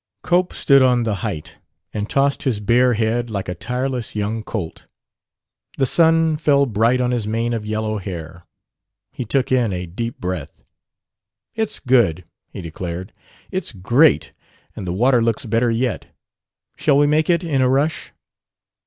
Cope stood on the height, and tossed his bare head like a tireless young colt. The sun fell bright on his mane of yellow hair. He took in a deep breath. "It's good!" he declared. "It's great! And the water looks better yet. Shall we make it in a rush?"